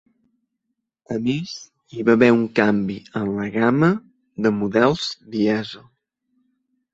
A més hi va haver un canvi en la gamma de models dièsel.